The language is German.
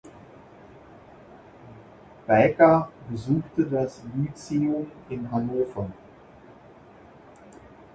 Baecker besuchte das Lyzeum in Hannover.